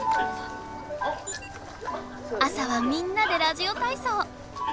朝はみんなでラジオ体操。